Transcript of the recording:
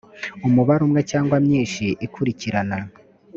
umubare umwe cyangwa myinshi ikurikirana